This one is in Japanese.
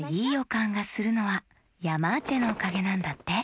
かんがするのはヤマーチェのおかげなんだって。